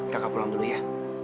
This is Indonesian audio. kakak pulang dulu ya